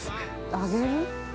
揚げる？